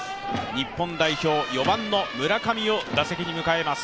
日本代表４番の村上を打席に迎えます。